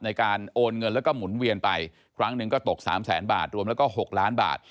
ในการโอนเงินแล้วก็หมุนเวียนไปครั้งหนึ่งก็ตกสามแสนบาทรวมแล้วก็๖ล้านบาท